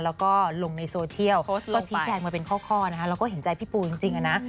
แล้วก็ลงในโซเชียลก็ชี้แจงมาเป็นข้อนะคะแล้วก็เห็นใจพี่ปูจริงนะ